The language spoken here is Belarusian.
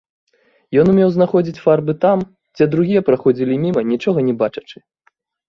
Ён умеў знаходзіць фарбы там, дзе другія праходзілі міма, нічога не бачачы.